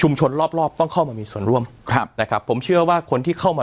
ชนรอบรอบต้องเข้ามามีส่วนร่วมครับนะครับผมเชื่อว่าคนที่เข้ามา